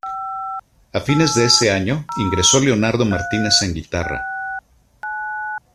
Afines de ese año ingresó Leonardo Martínez en guitarra.